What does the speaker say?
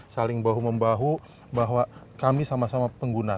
saling bahu membahu bahwa kami sama sama pengguna